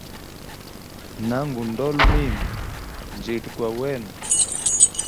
Na ngu ndola mimi, njili gwa wenu.